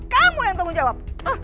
kamu yang tanggung jawab